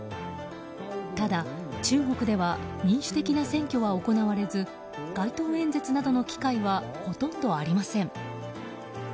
ただ、中国では民主的な選挙は行われず街頭演説などの機会はほとんどありません。